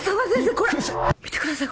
これ見てください